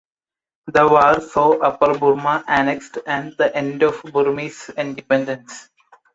The war saw Upper Burma annexed and the end of Burmese independence.